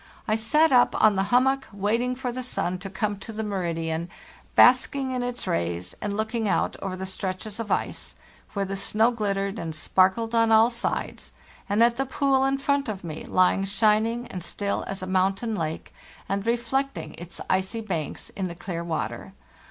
I sat up on the hummock, waiting for the sun to come to the meridian, basking in its rays, and looking out over the stretches of ice, where the snow glittered and sparkled on all sides, and at the pool in front of me lying shining and still as a mountain lake, and reflecting its icy banks in the clear water.